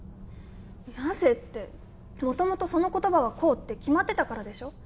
なぜって元々その言葉はこうって決まってたからでしょ？